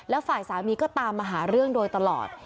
แล้วฝ่ายสามีก็ตามมาหาเรื่องโดยตลอด